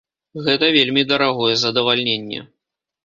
Гэта вельмі дарагое задавальненне.